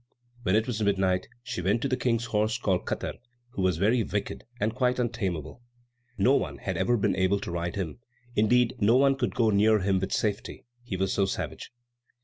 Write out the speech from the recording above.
When it was midnight, she went to the King's horse called Katar, who was very wicked, and quite untameable. No one had ever been able to ride him; indeed no one could go near him with safety, he was so savage.